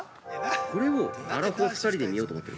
◆これをアラフォー２人で見ようと思ってる。